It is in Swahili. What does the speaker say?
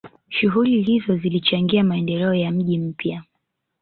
shughuli hizo zilichangia maendeleo ya mji mpya